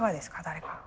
誰か。